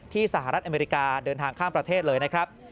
สหรัฐอเมริกาเดินทางข้ามประเทศเลยนะครับ